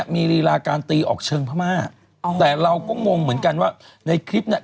มีลีลาการตีออกเชิงพม่าแต่เราก็งงเหมือนกันว่าในคลิปเนี่ย